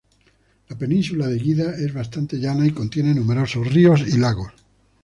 La península de Guida es bastante llana, y contiene numerosos ríos y lagos.